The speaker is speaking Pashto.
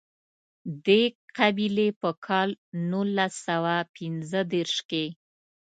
دې قبیلې په کال نولس سوه پېنځه دېرش کې.